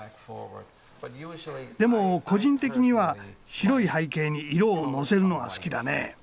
でも個人的には白い背景に色をのせるのが好きだね。